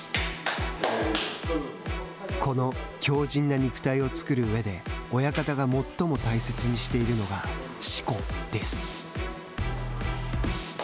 この強じんな肉体を作るうえで親方が最も大切にしているのがしこです。